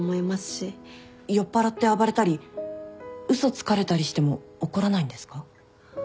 酔っぱらって暴れたり嘘つかれたりしても怒らないんですか？